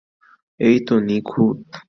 এই তো, নিখুঁত।